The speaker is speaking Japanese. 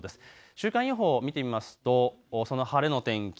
週間予報を見てみますと、その晴れの天気